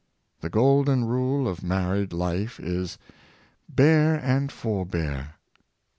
The golden rule of married life is, "bear and forbear."